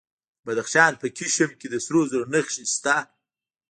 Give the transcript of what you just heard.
د بدخشان په کشم کې د سرو زرو نښې شته.